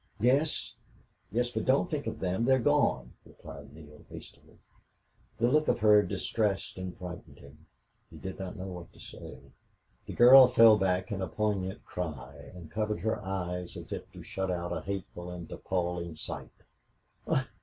"Yes yes but don't think of them they're gone," replied Neale, hastily. The look of her distressed and frightened him. He did not know what to say. The girl fell back with a poignant cry and covered her eyes as if to shut out a hateful and appalling sight.